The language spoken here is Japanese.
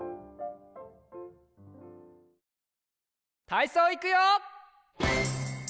たいそういくよ！